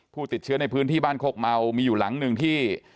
ผู้ติดเชื้อในพื้นที่บ้านโคกเมามีอยู่หลังหนึ่งที่